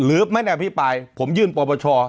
หรือไม่ได้อภิปรายผมยื่นปปช